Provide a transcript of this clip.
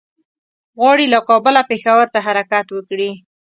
غواړي له کابله پېښور ته حرکت وکړي.